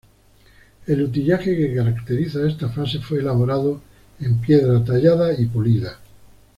El utillaje que caracteriza a esta fase fue elaborado en piedra tallada y pulida.